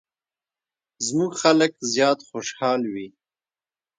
زموږ خلک زیات خوشحال وي.